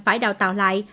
phải đào tạo lại